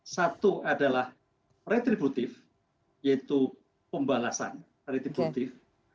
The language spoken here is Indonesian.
satu adalah retributif yaitu pembalasan retributif